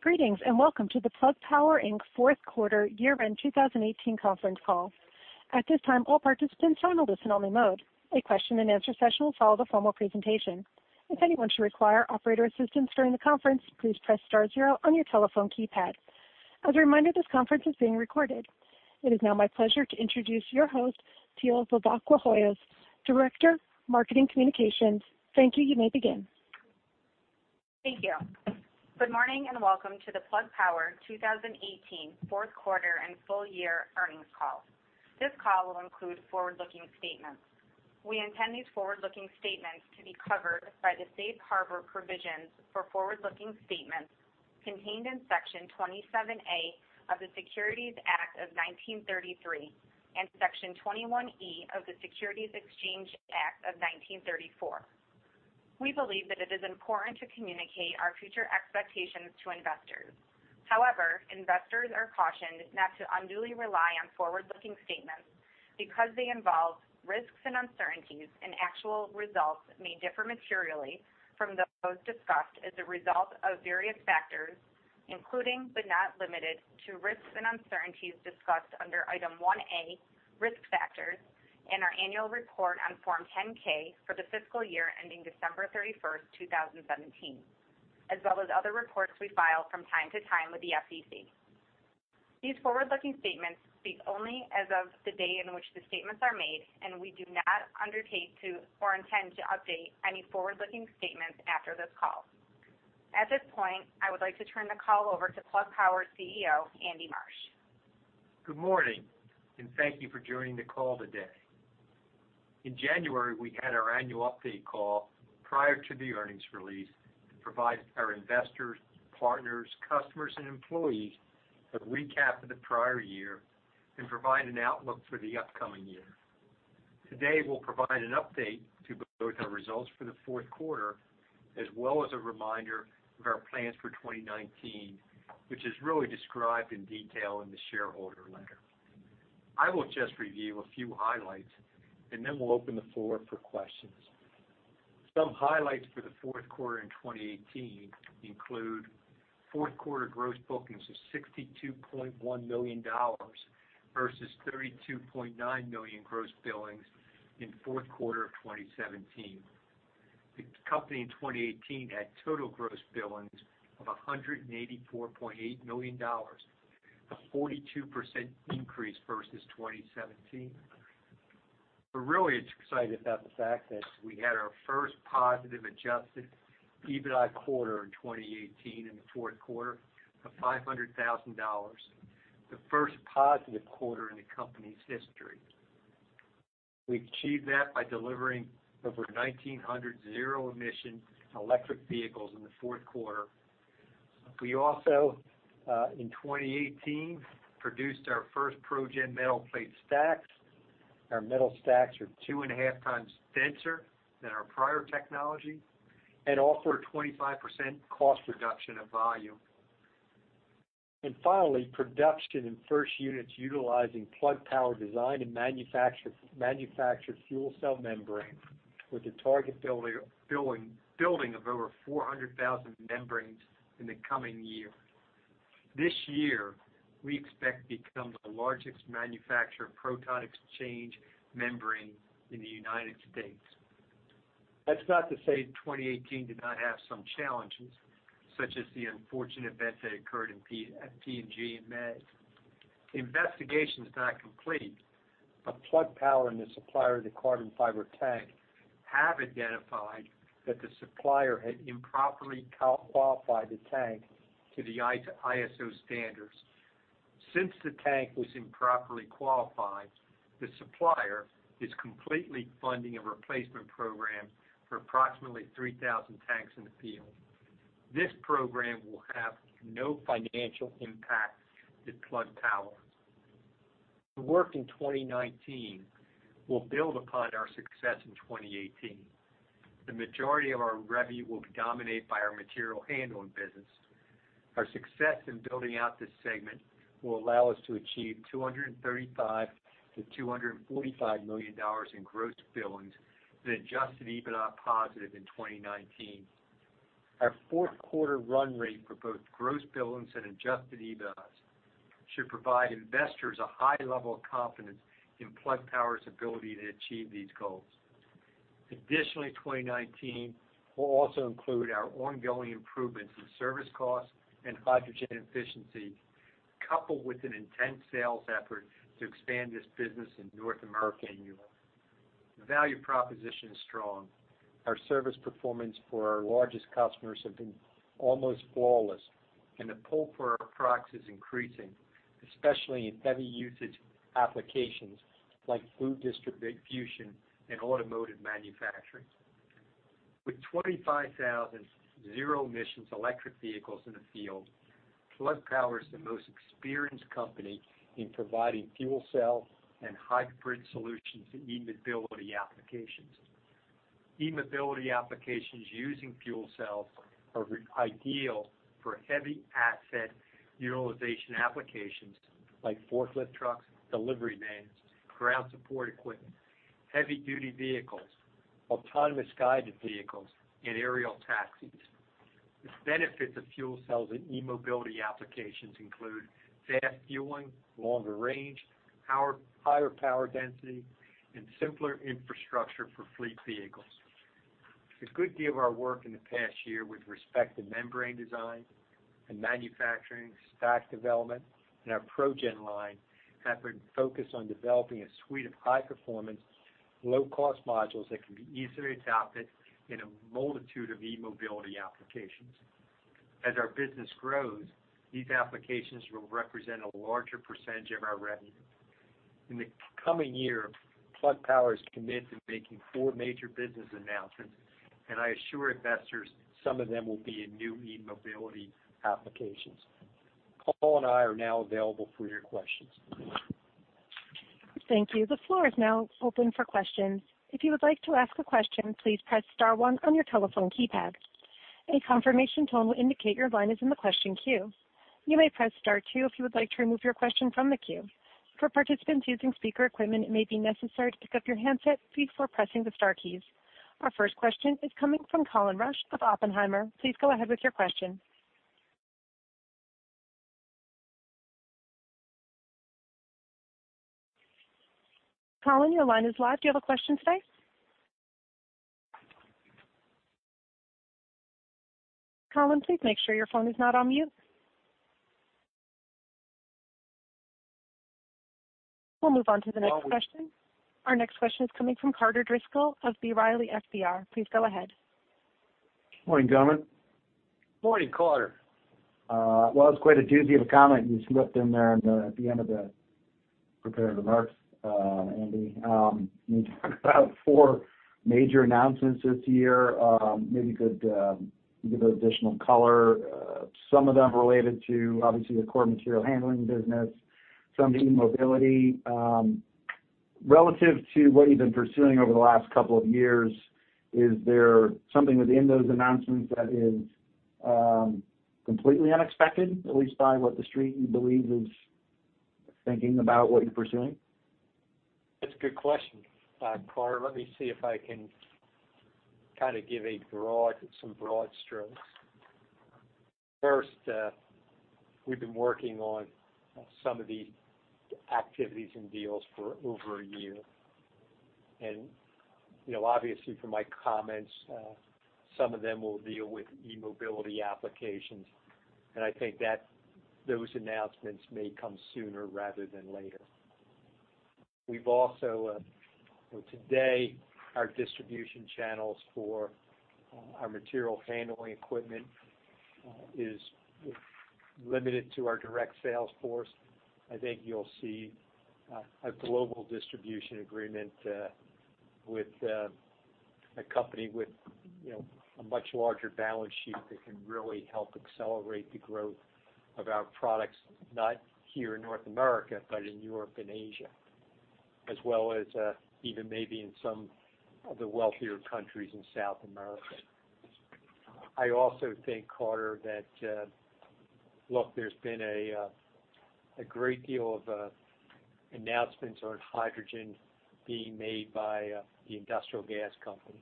Greetings, and welcome to the Plug Power Inc. fourth quarter year-end 2018 conference call. At this time, all participants are on a listen-only mode. A question and answer session will follow the formal presentation. If anyone should require operator assistance during the conference, please press star zero on your telephone keypad. As a reminder, this conference is being recorded. It is now my pleasure to introduce your host, Teal Hoyos, Director, Marketing Communications. Thank you. You may begin. Thank you. Good morning, and welcome to the Plug Power 2018 fourth quarter and full year earnings call. This call will include forward-looking statements. We intend these forward-looking statements to be covered by the safe harbor provisions for forward-looking statements contained in Section 27A of the Securities Act of 1933 and Section 21E of the Securities Exchange Act of 1934. We believe that it is important to communicate our future expectations to investors. However, investors are cautioned not to unduly rely on forward-looking statements because they involve risks and uncertainties, and actual results may differ materially from those discussed as a result of various factors, including but not limited to risks and uncertainties discussed under Item 1A, Risk Factors, in our annual report on Form 10-K for the fiscal year ending December 31st, 2017, as well as other reports we file from time to time with the SEC. These forward-looking statements speak only as of the day on which the statements are made. We do not undertake to, or intend to update any forward-looking statements after this call. At this point, I would like to turn the call over to Plug Power CEO, Andy Marsh. Good morning, and thank you for joining the call today. In January, we had our annual update call prior to the earnings release to provide our investors, partners, customers, and employees a recap of the prior year and provide an outlook for the upcoming year. Today, we'll provide an update to both our results for the fourth quarter as well as a reminder of our plans for 2019, which is really described in detail in the shareholder letter. I will just review a few highlights, and then we'll open the floor up for questions. Some highlights for the fourth quarter in 2018 include fourth quarter gross bookings of $62.1 million versus $32.9 million gross billings in fourth quarter of 2017. The company in 2018 had total gross billings of $184.8 million, a 42% increase versus 2017. We're really excited about the fact that we had our first positive adjusted EBITDA quarter in 2018 in the fourth quarter of $500,000, the first positive quarter in the company's history. We achieved that by delivering over 1,900 zero-emission electric vehicles in the fourth quarter. We also, in 2018, produced our first ProGen metal plate stacks. Our metal stacks are two and a half times denser than our prior technology and offer a 25% cost reduction of volume. Finally, production in first units utilizing Plug Power design and manufactured fuel cell membrane with a target building of over 400,000 membranes in the coming year. This year, we expect to become the largest manufacturer of proton exchange membrane in the United States. That's not to say 2018 did not have some challenges, such as the unfortunate events that occurred at P&G in Meigs. The investigation is not complete, Plug Power and the supplier of the carbon fiber tank have identified that the supplier had improperly qualified the tank to the ISO standards. Since the tank was improperly qualified, the supplier is completely funding a replacement program for approximately 3,000 tanks in the field. This program will have no financial impact to Plug Power. The work in 2019 will build upon our success in 2018. The majority of our revenue will be dominated by our material handling business. Our success in building out this segment will allow us to achieve $235 million-$245 million in gross billings and adjusted EBITDA positive in 2019. Our fourth quarter run rate for both gross billings and adjusted EBITDA should provide investors a high level of confidence in Plug Power's ability to achieve these goals. Additionally, 2019 will also include our ongoing improvements in service costs and hydrogen efficiency, coupled with an intense sales effort to expand this business in North America and Europe. The value proposition is strong. Our service performance for our largest customers have been almost flawless, and the pull for our products is increasing, especially in heavy usage applications like food distribution and automotive manufacturing. With 25,000 zero-emission electric vehicles in the field, Plug Power is the most experienced company in providing fuel cell and hybrid solutions to e-mobility applications. E-mobility applications using fuel cells are ideal for heavy asset utilization applications like forklift trucks, delivery vans, ground support equipment, heavy-duty vehicles, autonomous guided vehicles, and aerial taxis. The benefits of fuel cells in e-mobility applications include fast fueling, longer range, higher power density, and simpler infrastructure for fleet vehicles. A good deal of our work in the past year with respect to membrane design and manufacturing, stack development, and our ProGen line have been focused on developing a suite of high-performance, low-cost modules that can be easily adopted in a multitude of e-mobility applications. As our business grows, these applications will represent a larger percentage of our revenue. In the coming year, Plug Power is committed to making four major business announcements, I assure investors some of them will be in new e-mobility applications. Paul and I are now available for your questions. Thank you. The floor is now open for questions. If you would like to ask a question, please press star one on your telephone keypad. A confirmation tone will indicate your line is in the question queue. You may press star two if you would like to remove your question from the queue. For participants using speaker equipment, it may be necessary to pick up your handset before pressing the star keys. Our first question is coming from Colin Rusch of Oppenheimer. Please go ahead with your question. Colin, your line is live. Do you have a question today? Colin, please make sure your phone is not on mute. We will move on to the next question. Our next question is coming from Carter Driscoll of B. Riley FBR. Please go ahead. Morning, gentlemen. Morning, Carter. Well, it was quite a doozy of a comment you slipped in there at the end of the prepared remarks, Andy, when you talked about four major announcements this year. Maybe you could give additional color, some of them related to, obviously, the Cora material handling business, some to e-mobility. Relative to what you have been pursuing over the last couple of years, is there something within those announcements that is completely unexpected, at least by what the Street you believe is thinking about what you are pursuing? That's a good question, Carter. Let me see if I can kind of give some broad strokes. First, we've been working on some of these activities and deals for over a year. Obviously, from my comments, some of them will deal with e-mobility applications. I think those announcements may come sooner rather than later. Today, our distribution channels for our material handling equipment is limited to our direct sales force. I think you'll see a global distribution agreement with a company with a much larger balance sheet that can really help accelerate the growth of our products, not here in North America, but in Europe and Asia, as well as even maybe in some of the wealthier countries in South America. I also think, Carter, that there's been a great deal of announcements on hydrogen being made by the industrial gas companies.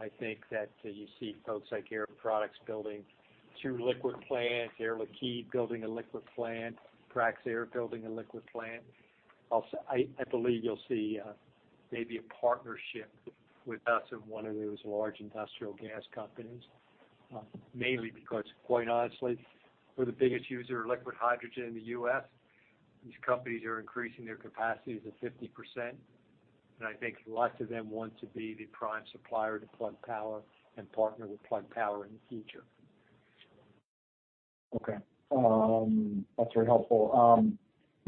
I think that you see folks like Air Products building two liquid plants, Air Liquide building a liquid plant, Praxair building a liquid plant. Also, I believe you'll see maybe a partnership with us and one of those large industrial gas companies, mainly because, quite honestly, we're the biggest user of liquid hydrogen in the U.S. These companies are increasing their capacity to 50%. I think lots of them want to be the prime supplier to Plug Power and partner with Plug Power in the future. Okay. That's very helpful.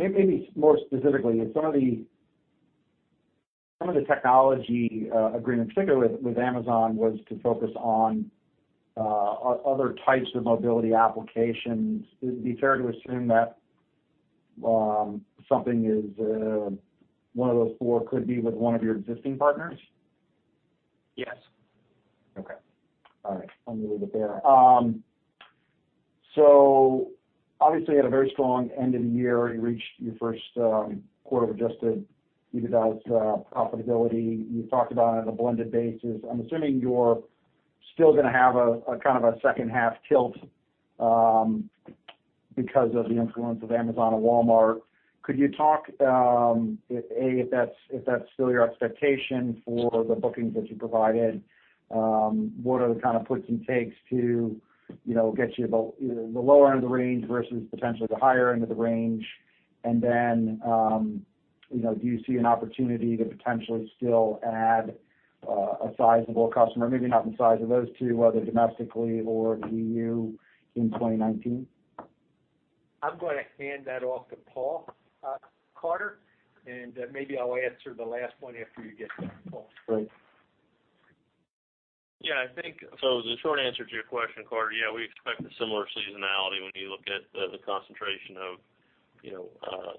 Maybe more specifically, some of the technology agreement, particularly with Amazon, was to focus on other types of mobility applications. Is it fair to assume that one of those four could be with one of your existing partners? Yes. Okay. All right. I'll leave it there. Obviously, you had a very strong end of the year. You reached your first quarter of adjusted EBITDA profitability. You talked about it on a blended basis. I'm assuming you're still going to have a kind of a second half tilt because of the influence of Amazon and Walmart. Could you talk, A, if that's still your expectation for the bookings that you provided? What are the kind of puts and takes to get you the lower end of the range versus potentially the higher end of the range? Then, do you see an opportunity to potentially still add a sizable customer, maybe not the size of those two, whether domestically or EU in 2019? I'm going to hand that off to Paul, Carter, and maybe I'll answer the last point after you get done, Paul. Great. Yeah. The short answer to your question, Carter, yeah, we expect a similar seasonality when you look at the concentration of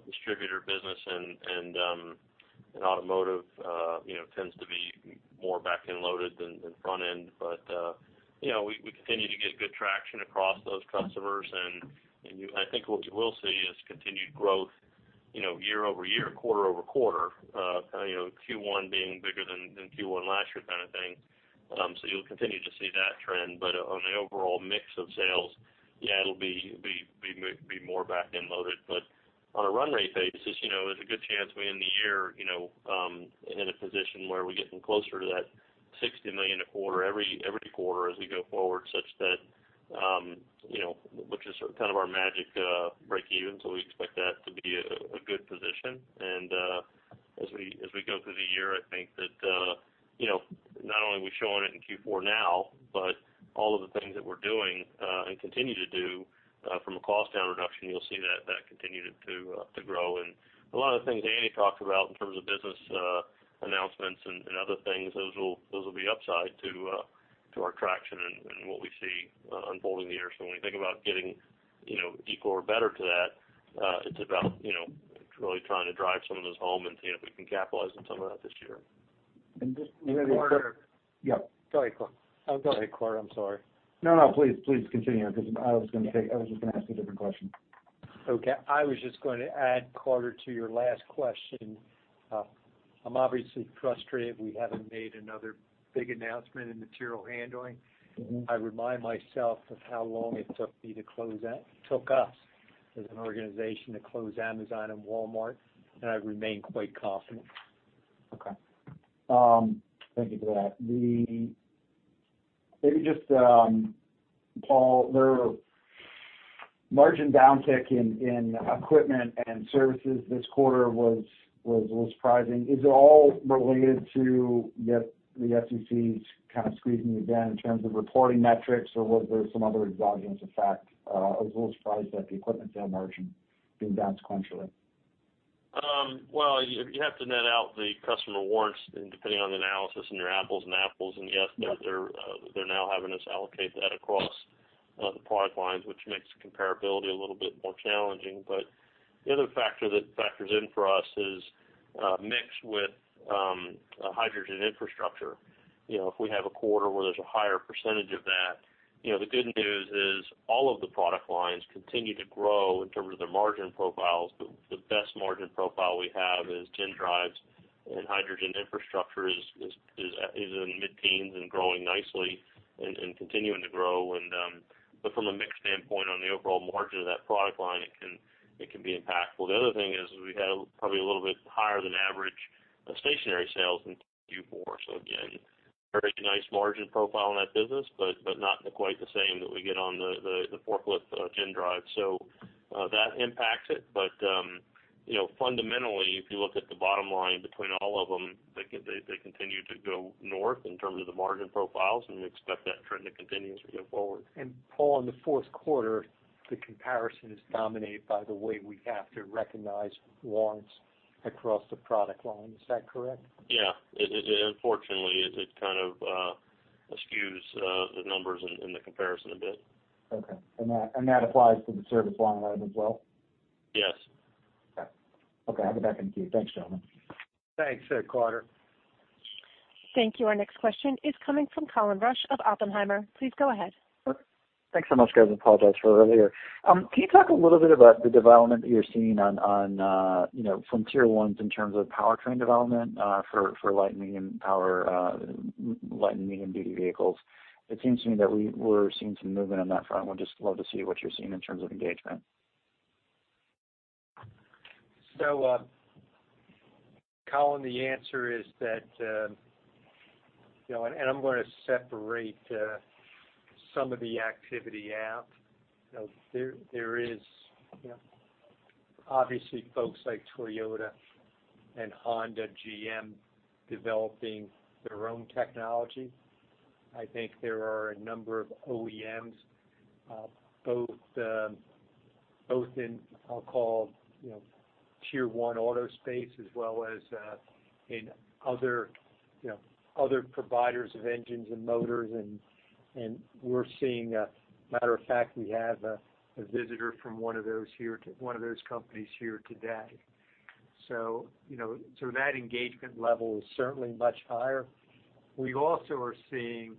distributor business and automotive tends to be more back-end loaded than front end. But we continue to get good traction across those customers, and I think what you will see is continued growth year-over-year, quarter-over-quarter. Q1 being bigger than Q1 last year kind of thing. You'll continue to see that trend, but on the overall mix of sales, yeah, it'll be more back-end loaded. On a run rate basis, there's a good chance we end the year in a position where we're getting closer to that $60 million a quarter every quarter as we go forward, which is sort of our magic breakeven. We expect that to be a good position. As we go through the year, I think that not only are we showing it in Q4 now, but all of the things that we're doing and continue to do from a cost down reduction, you'll see that continue to grow. A lot of the things Andy talked about in terms of business announcements and other things, those will be upside to our traction and what we see unfolding the year. When we think about getting equal or better to that, it's about really trying to drive some of those home and seeing if we can capitalize on some of that this year. And just- Carter. Yeah. Go ahead, Carter. I'm sorry. Please continue because I was just going to ask a different question. I was just going to add, Carter, to your last question. I'm obviously frustrated we haven't made another big announcement in material handling. I remind myself of how long it took me to close, took us as an organization to close Amazon and Walmart, and I remain quite confident. Okay. Thank you for that. Paul, the margin downtick in equipment and services this quarter was a little surprising. Is it all related to the SEC kind of squeezing you again in terms of reporting metrics, or was there some other exigent effect? I was a little surprised that the equipment down margin being down sequentially. Well, you have to net out the customer warrants and depending on the analysis and your apples and apples. Yes, they're now having us allocate that across the product lines, which makes the comparability a little bit more challenging. The other factor that factors in for us is mix with hydrogen infrastructure. If we have a quarter where there's a higher percentage of that, the good news is all of the product lines continue to grow in terms of their margin profiles, but the best margin profile we have is GenDrives and hydrogen infrastructure is in mid-teens and growing nicely and continuing to grow. From a mix standpoint on the overall margin of that product line, it can be impactful. The other thing is we had probably a little bit higher than average stationary sales in Q4. Again, very nice margin profile in that business, but not quite the same that we get on the forklift GenDrive. That impacts it. Fundamentally, if you look at the bottom line between all of them, they continue to go north in terms of the margin profiles, and we expect that trend to continue as we go forward. Paul, in the fourth quarter, the comparison is dominated by the way we have to recognize warrants across the product line. Is that correct? Yeah. Unfortunately, it kind of skews the numbers in the comparison a bit. Okay. That applies to the service line item as well? Yes. Okay. Okay, I'll get back in queue. Thanks, gentlemen. Thanks, Carter. Thank you. Our next question is coming from Colin Rusch of Oppenheimer. Please go ahead. Sure. Thanks so much, guys. I apologize for earlier. Can you talk a little bit about the development that you're seeing from tier 1s in terms of powertrain development for light, medium power, light and medium-duty vehicles? It seems to me that we're seeing some movement on that front. Would just love to see what you're seeing in terms of engagement. Colin, the answer is that, I'm going to separate some of the activity out. There is obviously folks like Toyota and Honda, GM developing their own technology. I think there are a number of OEMs both in, I'll call, tier 1 auto space as well as in other providers of engines and motors, and we're seeing, matter of fact, we have a visitor from one of those companies here today. That engagement level is certainly much higher. We also are seeing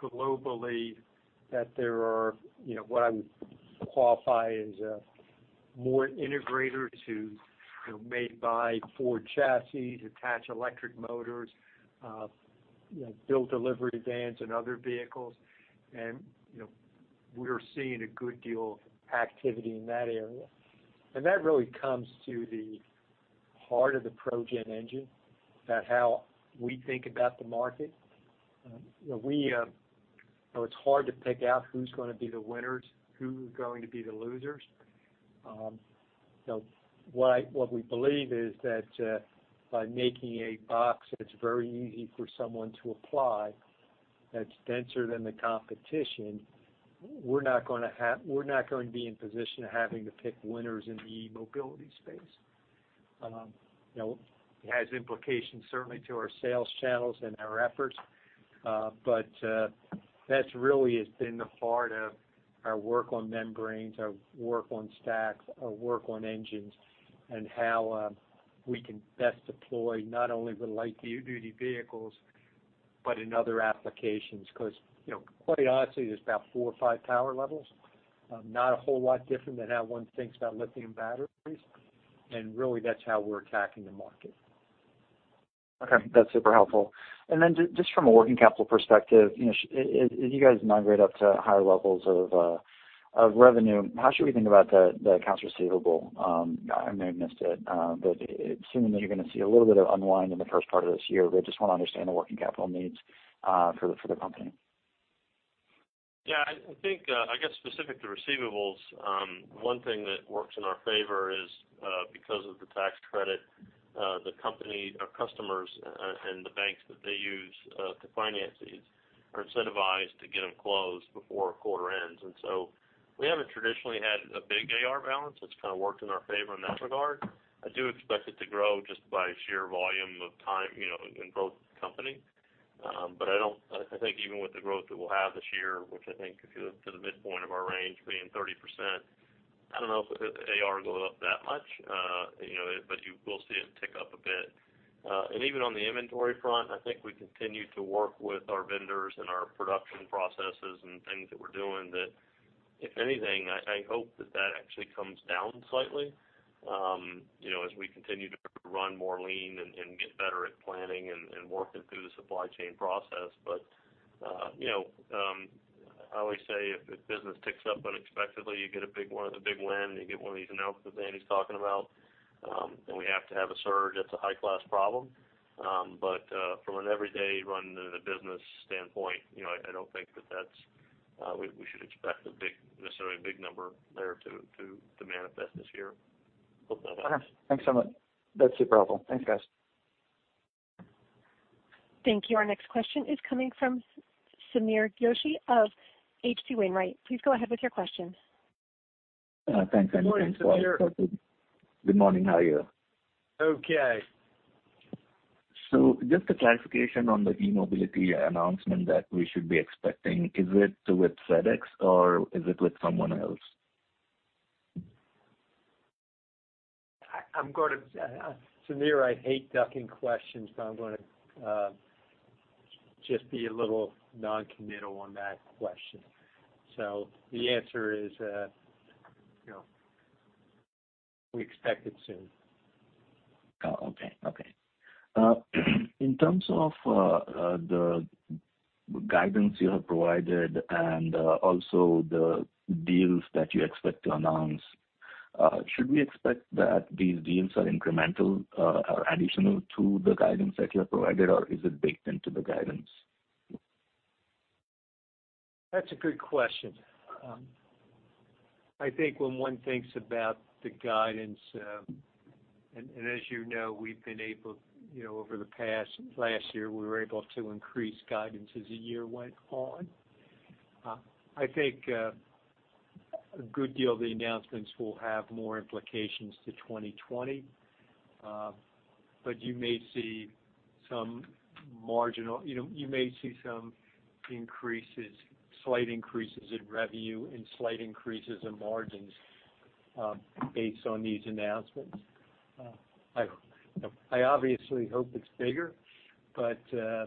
globally that there are what I would qualify as more integrators who may buy Ford chassis, attach electric motors, build delivery vans and other vehicles. We're seeing a good deal of activity in that area. That really comes to the heart of the ProGen engine, about how we think about the market. It's hard to pick out who's going to be the winners, who's going to be the losers. What we believe is that by making a box that's very easy for someone to apply, that's denser than the competition, we're not going to be in position of having to pick winners in the e-mobility space. It has implications certainly to our sales channels and our efforts. But that really has been the heart of our work on membranes, our work on stacks, our work on engines, and how we can best deploy not only the light-duty vehicles, but in other applications, because, quite honestly, there's about 4 or 5 power levels. Not a whole lot different than how one thinks about lithium batteries, and really, that's how we're attacking the market. Okay. That's super helpful. Just from a working capital perspective, as you guys migrate up to higher levels of revenue, how should we think about the accounts receivable? I may have missed it, but assuming that you're going to see a little bit of unwind in the first part of this year, but I just want to understand the working capital needs for the company. Yeah. I think, I guess specific to receivables, one thing that works in our favor is, because of the tax credit, the company, our customers and the banks that they use to finance these are incentivized to get them closed before a quarter ends. We haven't traditionally had a big AR balance. It's kind of worked in our favor in that regard. I do expect it to grow just by sheer volume of time, in both companies. I think even with the growth that we'll have this year, which I think to the midpoint of our range being 30%, I don't know if AR goes up that much. You will see it tick up a bit. Even on the inventory front, I think we continue to work with our vendors and our production processes and things that we're doing that, if anything, I hope that that actually comes down slightly as we continue to run more lean and get better at planning and working through the supply chain process. I always say, if business ticks up unexpectedly, you get a big win, you get one of these announcements that Andy's talking about, and we have to have a surge, that's a high-class problem. From an everyday run-the-business standpoint, I don't think that we should expect a necessarily big number there to manifest this year. Hope that helps. Okay. Thanks so much. That's super helpful. Thanks, guys. Thank you. Our next question is coming from Sameer Joshi of H.C. Wainwright. Please go ahead with your question. Thanks, Andy. Good morning, Sameer. Good morning. How are you? Okay. Just a clarification on the e-mobility announcement that we should be expecting. Is it with FedEx or is it with someone else? Sameer, I hate ducking questions, but I'm going to just be a little non-committal on that question. The answer is, we expect it soon. Oh, okay. In terms of the guidance you have provided and also the deals that you expect to announce, should we expect that these deals are incremental or additional to the guidance that you have provided, or is it baked into the guidance? That's a good question. I think when one thinks about the guidance, and as you know, over the past last year, we were able to increase guidance as the year went on. I think a good deal of the announcements will have more implications to 2020. You may see some increases, slight increases in revenue and slight increases in margins based on these announcements. I obviously hope it's bigger, but the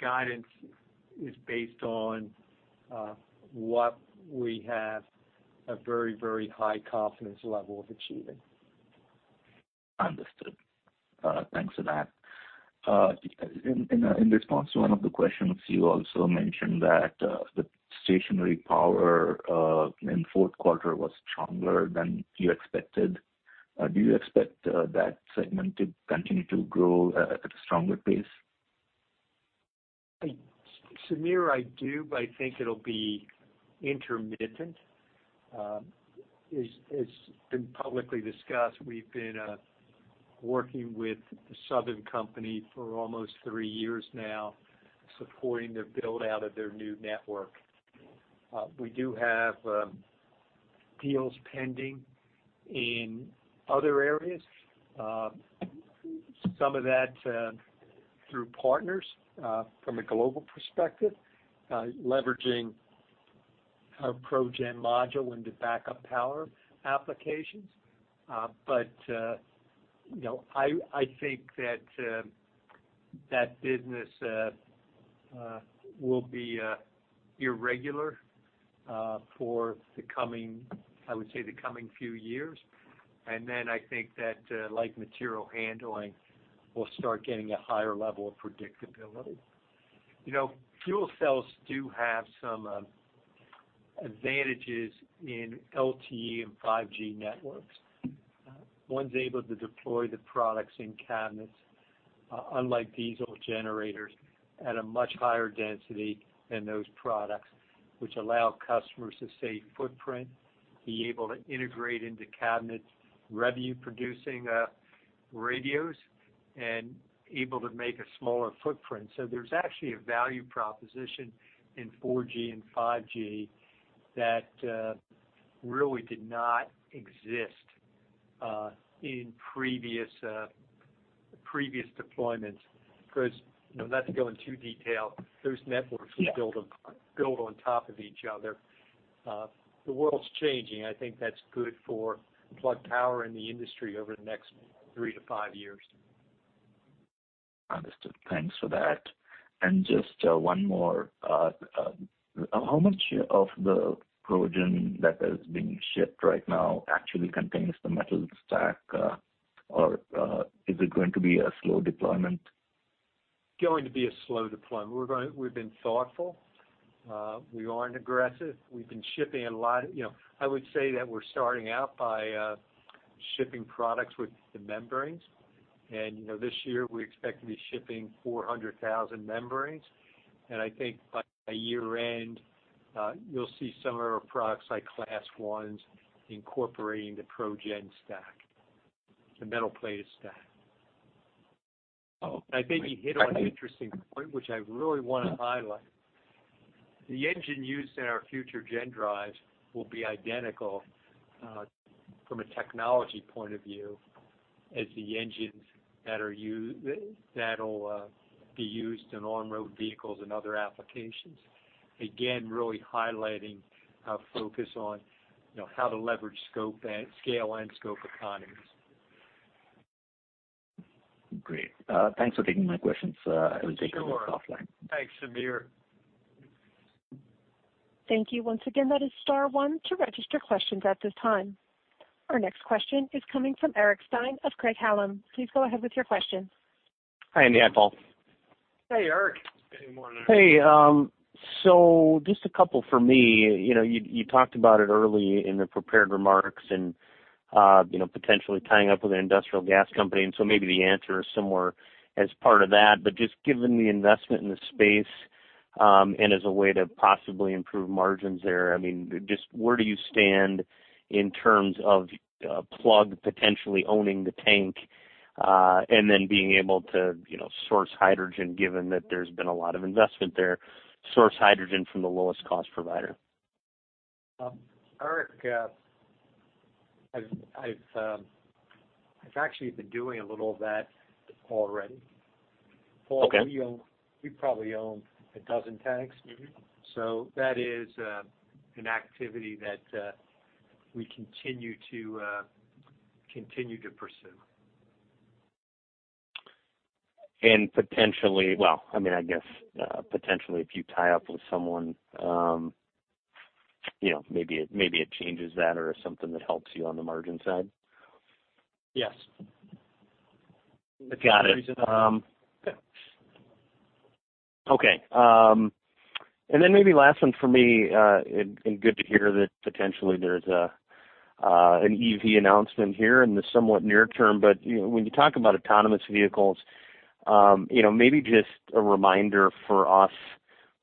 guidance is based on what we have a very high confidence level of achieving. Understood. Thanks for that. In response to one of the questions, you also mentioned that the stationary power in fourth quarter was stronger than you expected. Do you expect that segment to continue to grow at a stronger pace? Sameer, I do, but I think it'll be intermittent. As been publicly discussed, we've been working with the Southern Company for almost three years now, supporting their build-out of their new network. We do have deals pending in other areas. Some of that's through partners from a global perspective, leveraging our ProGen module into backup power applications. I think that that business will be irregular for the coming, I would say the coming few years. Then I think that, like material handling, we'll start getting a higher level of predictability. Fuel cells do have some advantages in LTE and 5G networks. One's able to deploy the products in cabinets, unlike diesel generators, at a much higher density than those products, which allow customers to save footprint, be able to integrate into cabinets, revenue-producing radios, and able to make a smaller footprint. There's actually a value proposition in 4G and 5G that really did not exist in previous deployments, because not to go into detail, those networks were built on top of each other. The world's changing. I think that's good for Plug Power and the industry over the next three to five years. Understood. Thanks for that. Just one more. How much of the ProGen that is being shipped right now actually contains the metal stack? Is it going to be a slow deployment? Going to be a slow deployment. We've been thoughtful. We aren't aggressive. I would say that we're starting out by shipping products with the membranes. This year we expect to be shipping 400,000 membranes. I think by year-end, you'll see some of our products like Class 1s incorporating the ProGen stack, the metal plated stack. Okay. I think you hit on an interesting point, which I really want to highlight. The engine used in our future GenDrives will be identical from a technology point of view as the engines that'll be used in on-road vehicles and other applications. Again, really highlighting our focus on how to leverage scale and scope economies. Great. Thanks for taking my questions. I will take the rest offline. Sure. Thanks, Sameer. Thank you. Once again, that is star one to register questions at this time. Our next question is coming from Eric Stine of Craig-Hallum. Please go ahead with your question. Hi, Andy and Paul. Hey, Eric. Hey. Just a couple from me. You talked about it early in the prepared remarks and potentially tying up with an industrial gas company, maybe the answer is somewhere as part of that. Just given the investment in the space, and as a way to possibly improve margins there, just where do you stand in terms of Plug potentially owning the tank, and then being able to source hydrogen, given that there's been a lot of investment there, source hydrogen from the lowest cost provider? Eric, I've actually been doing a little of that already. Okay. Paul, we probably own a dozen tanks. That is an activity that we continue to pursue. Potentially, well, I guess, potentially if you tie up with someone, maybe it changes that or is something that helps you on the margin side? Yes. Got it. Okay. Maybe last one from me, good to hear that potentially there's an EV announcement here in the somewhat near term, when you talk about autonomous vehicles, maybe just a reminder for us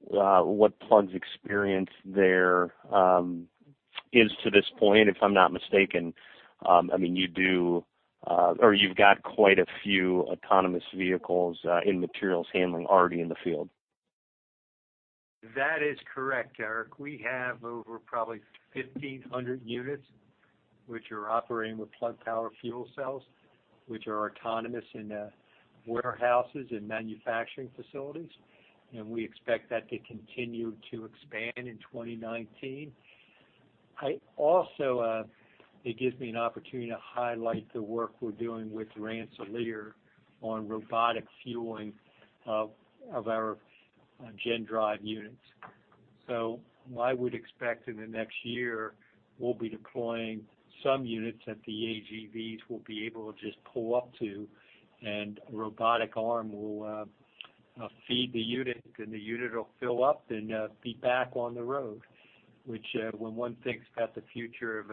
what Plug's experience there is to this point. If I'm not mistaken, you've got quite a few autonomous vehicles in materials handling already in the field. That is correct, Eric. We have over probably 1,500 units, which are operating with Plug Power fuel cells, which are autonomous in warehouses and manufacturing facilities, and we expect that to continue to expand in 2019. Also, it gives me an opportunity to highlight the work we're doing with Rensselaer on robotic fueling of our GenDrive units. I would expect in the next year, we'll be deploying some units that the AGVs will be able to just pull up to and a robotic arm will feed the unit, and the unit will fill up and be back on the road, which when one thinks about the future of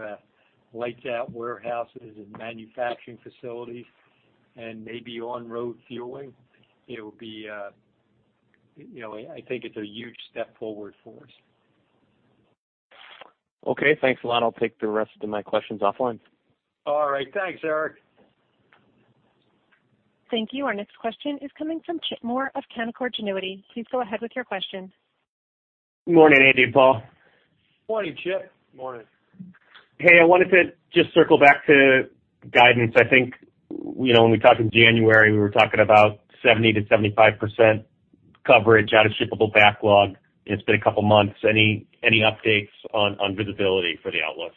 lights out warehouses and manufacturing facilities and maybe on-road fueling, I think it's a huge step forward for us. Okay. Thanks a lot. I'll take the rest of my questions offline. All right. Thanks, Eric. Thank you. Our next question is coming from Chip Moore of Canaccord Genuity. Please go ahead with your question. Morning, Andy and Paul. Morning, Chip. Morning. Hey, I wanted to just circle back to guidance. I think when we talked in January, we were talking about 70%-75% coverage out of shippable backlog. It's been a couple of months. Any updates on visibility for the outlook?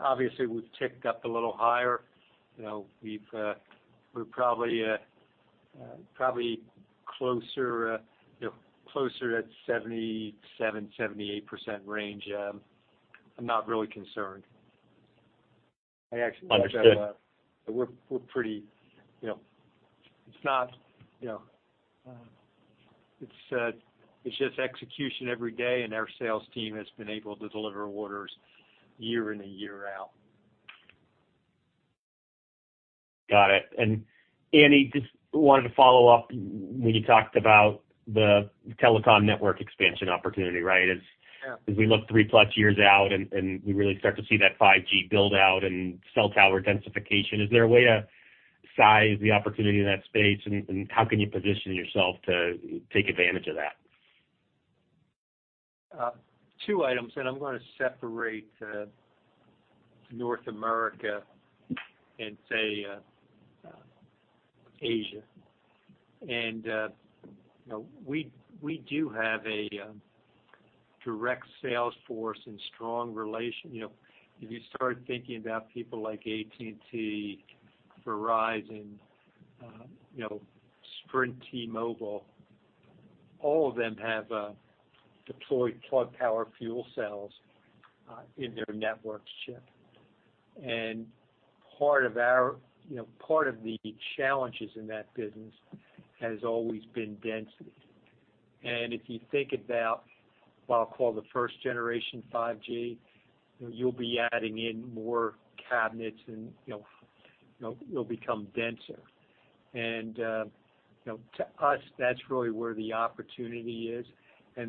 Obviously, we've ticked up a little higher. We're probably closer at 77%-78% range. I'm not really concerned. Understood. It's just execution every day, and our sales team has been able to deliver orders year in and year out. Got it. Andy, just wanted to follow up when you talked about the telecom network expansion opportunity, right? Yeah. As we look 3+ years out and we really start to see that 5G build out and cell tower densification, is there a way to size the opportunity in that space. How can you position yourself to take advantage of that? Two items. I'm going to separate North America and say, Asia. We do have a direct sales force and strong relation. If you start thinking about people like AT&T, Verizon, Sprint, T-Mobile, all of them have deployed Plug Power fuel cells in their network ship. Part of the challenges in that business has always been density. If you think about what I'll call the first generation 5G, you'll be adding in more cabinets and it'll become denser. To us, that's really where the opportunity is.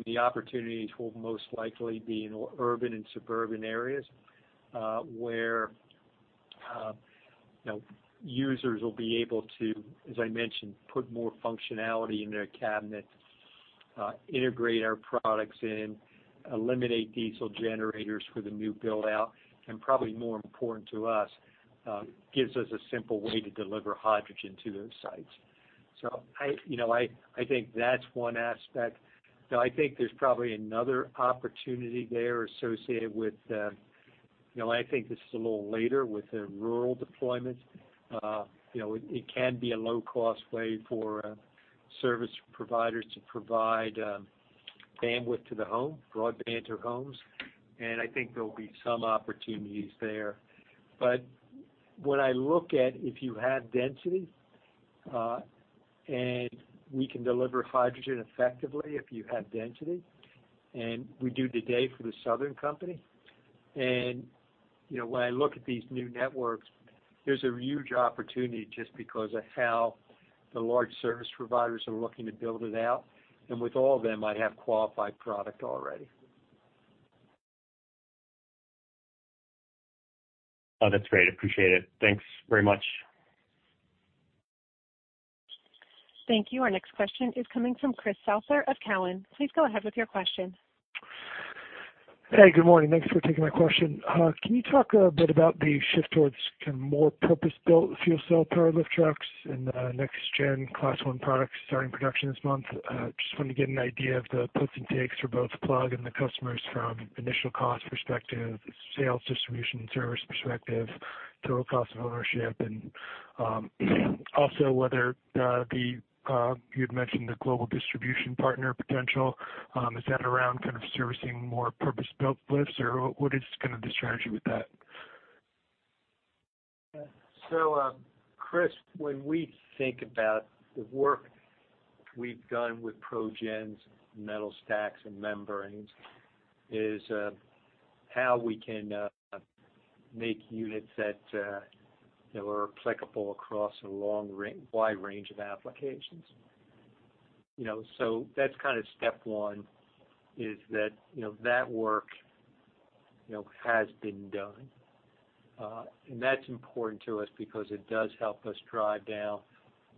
The opportunities will most likely be in urban and suburban areas, where users will be able to, as I mentioned, put more functionality in their cabinet, integrate our products in, eliminate diesel generators for the new build-out, probably more important to us, gives us a simple way to deliver hydrogen to those sites. I think that's one aspect. I think there's probably another opportunity there associated with, I think this is a little later with the rural deployment. It can be a low-cost way for service providers to provide bandwidth to the home, broadband to homes. I think there'll be some opportunities there. What I look at, if you have density, and we can deliver hydrogen effectively if you have density, and we do today for the Southern Company. When I look at these new networks, there's a huge opportunity just because of how the large service providers are looking to build it out. With all of them, I have qualified product already. Oh, that's great. Appreciate it. Thanks very much. Thank you. Our next question is coming from Chris Souther of Cowen. Please go ahead with your question. Hey, good morning. Thanks for taking my question. Can you talk a bit about the shift towards more purpose-built fuel cell-powered lift trucks and the next gen Class 1 products starting production this month? Just wanted to get an idea of the puts and takes for both Plug and the customers from initial cost perspective, sales distribution and service perspective, total cost of ownership, and also whether you had mentioned the global distribution partner potential. Is that around kind of servicing more purpose-built lifts or what is kind of the strategy with that? Chris, when we think about the work we've done with ProGen's metal stacks and membranes is how we can make units that are applicable across a wide range of applications. That's kind of step one is that work has been done. That's important to us because it does help us drive down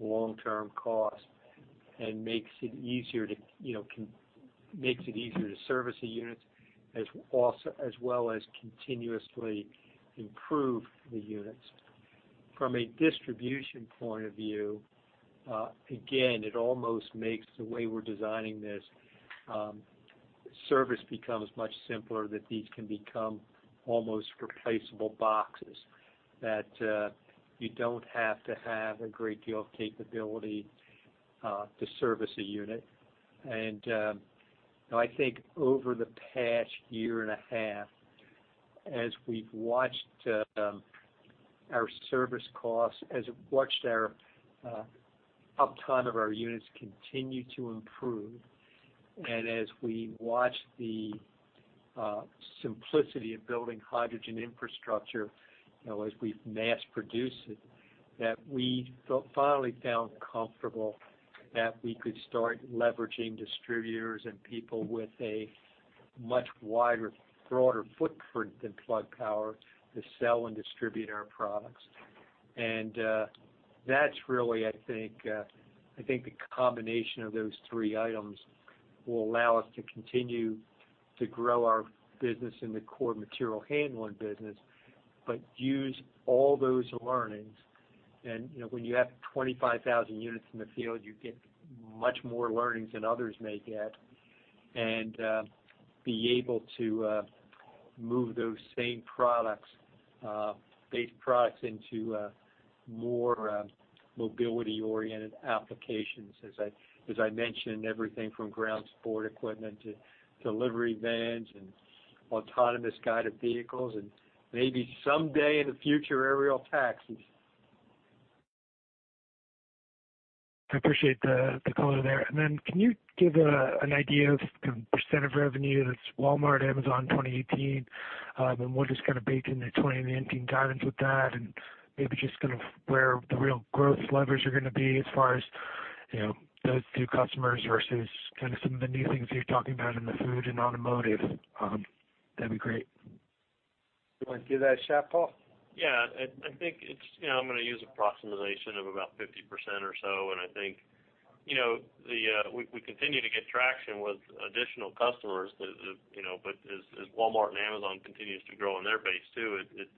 long-term costs and makes it easier to service the units as well as continuously improve the units. From a distribution point of view, again, it almost makes the way we're designing this, service becomes much simpler that these can become almost replaceable boxes that you don't have to have a great deal of capability to service a unit. I think over the past year and a half, as we've watched our service costs, as we've watched our uptime of our units continue to improve, as we watch the simplicity of building hydrogen infrastructure as we mass produce it, that we finally felt comfortable that we could start leveraging distributors and people with a much wider, broader footprint than Plug Power to sell and distribute our products. That's really, I think the combination of those three items will allow us to continue to grow our business in the core material handling business, but use all those learnings. When you have 25,000 units in the field, you get much more learnings than others may get and be able to move those same products into more mobility-oriented applications, as I mentioned, everything from ground support equipment to delivery vans and autonomous guided vehicles, and maybe someday in the future, aerial taxis. I appreciate the color there. Then can you give an idea of % of revenue that's Walmart, Amazon 2018? We'll just kind of bake in the 2019 guidance with that and maybe just kind of where the real growth levers are gonna be as far as those two customers versus kind of some of the new things you're talking about in the food and automotive. That'd be great. You want to give that a shot, Paul? Yeah, I think I'm gonna use approximation of about 50% or so, and I think we continue to get traction with additional customers, but as Walmart and Amazon continues to grow on their base too, it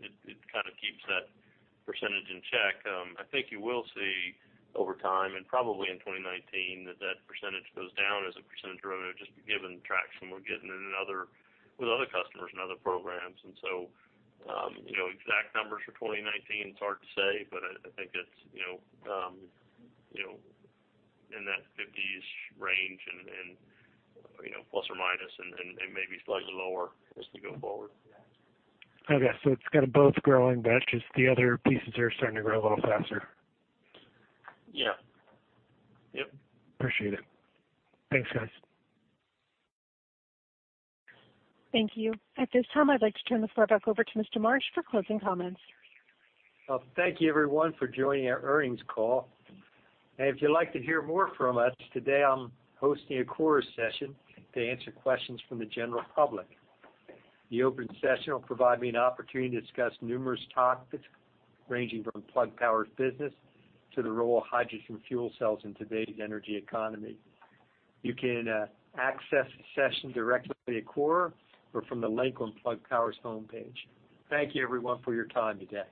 kind of keeps that % in check. I think you will see over time, and probably in 2019, that that % goes down as a % of revenue just given traction we're getting with other customers and other programs. So, exact numbers for 2019, it's hard to say, but I think it's in that fifty-ish range and plus or minus and maybe slightly lower as we go forward. Okay. It's kind of both growing, but just the other pieces are starting to grow a little faster. Yeah. Yep. Appreciate it. Thanks, guys. Thank you. At this time, I'd like to turn the floor back over to Mr. Marsh for closing comments. Well, thank you everyone for joining our earnings call. If you'd like to hear more from us, today I'm hosting a Core session to answer questions from the general public. The open session will provide me an opportunity to discuss numerous topics ranging from Plug Power's business to the role of hydrogen fuel cells in today's energy economy. You can access the session directly at Core or from the link on Plug Power's homepage. Thank you everyone for your time today.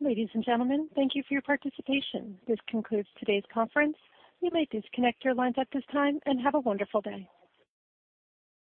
Ladies and gentlemen, thank you for your participation. This concludes today's conference. You may disconnect your lines at this time, and have a wonderful day.